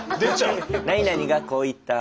「何々がこう言った。